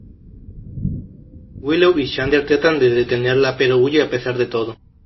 Willow y Xander tratan de detenerla pero huye a pesar de todo.